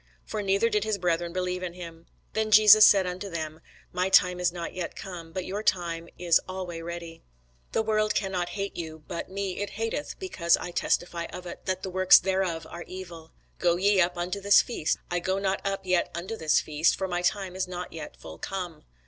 For neither did his brethren believe in him. Then Jesus said unto them, My time is not yet come: but your time is alway ready. The world cannot hate you; but me it hateth, because I testify of it, that the works thereof are evil. Go ye up unto this feast: I go not up yet unto this feast; for my time is not yet full come.